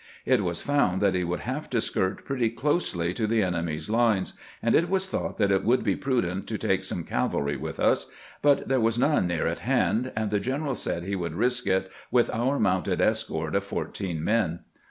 It was found that we would have to skirt pretty closely to the enemy's lines, and it was thought that it would be prudent to take some cavalry with us ; but there was none near at hand, and the general said he would risk it with our mounted escort of fourteen men.